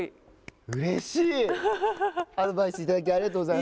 うれしい！